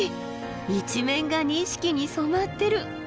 一面が錦に染まってる。